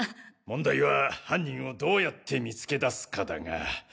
問題は犯人をどうやって見つけ出すかだが。